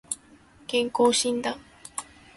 健康診断